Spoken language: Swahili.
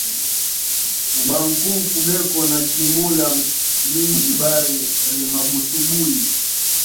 Ba nkuku beko na chimbula minji bari rima busubuyi